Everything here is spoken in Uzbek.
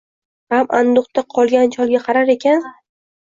G’am-anduhda qolgan cholga qarar ekan.